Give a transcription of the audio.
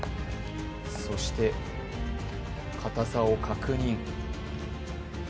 そしてかたさを確認。